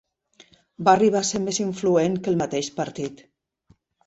Va arribar a ser més influent que el mateix partit.